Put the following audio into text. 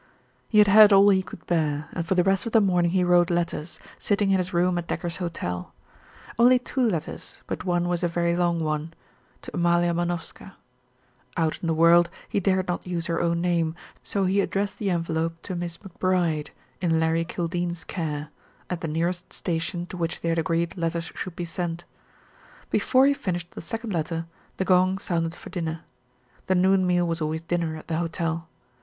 He had had all he could bear, and for the rest of the morning he wrote letters, sitting in his room at Decker's hotel. Only two letters, but one was a very long one to Amalia Manovska. Out in the world he dared not use her own name, so he addressed the envelope to Miss McBride, in Larry Kildene's care, at the nearest station to which they had agreed letters should be sent. Before he finished the second letter the gong sounded for dinner. The noon meal was always dinner at the hotel.